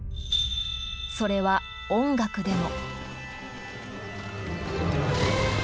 それは音楽でも。